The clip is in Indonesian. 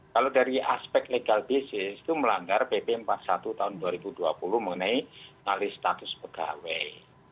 kalau dari aspek legal business itu melanggar pp empat puluh satu tahun dua ribu dua puluh mengenai alih status pegawai